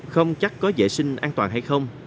không chắc có giải sinh an toàn hay không